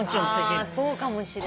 あーそうかもしれないね。